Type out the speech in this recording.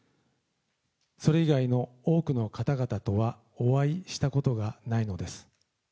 それ以外の多くの方々とはお会いしたことがないのです。